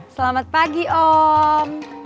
selamat pagi om